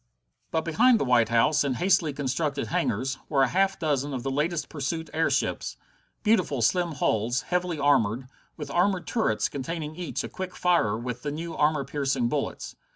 But behind the White House, in hastily constructed hangars, were a half dozen of the latest pursuit airships beautiful slim hulls, heavily armored, with armored turrets containing each a quick firer with the new armor piercing bullets.